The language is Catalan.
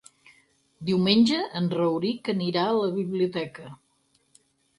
Diumenge en Rauric anirà a la biblioteca.